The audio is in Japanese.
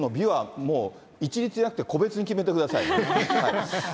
微北の微は、もう一律じゃなくて個別に決めてくださいね。